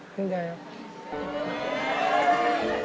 ชื่นใจครับ